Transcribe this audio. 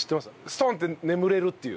ストンって眠れるっていう。